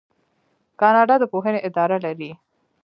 کاناډا د پوهنې اداره لري.